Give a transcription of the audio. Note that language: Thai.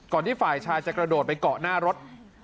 ที่ฝ่ายชายจะกระโดดไปเกาะหน้ารถ